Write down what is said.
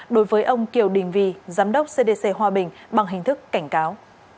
đối với ông kiều đình vì giám đốc cdc hòa bình bằng hình thức cảnh cáo